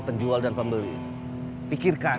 penjual dan pembeli pikirkan